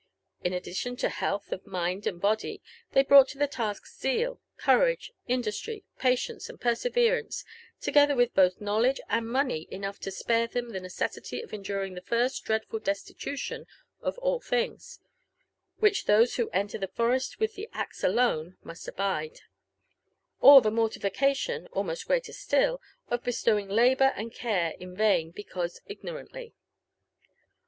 In addition to health of mind and body, they brought to the task, zeal, courage, industry, patience, and perseverance, together with both knowledge and money enough to spare them the necessity of enduriog the first dreadful destitution of all things, which those who enter the forest with the axe alone must abide; or the mortification, almost greater still, of bestowing labour and care iuvvain, because ignorantly.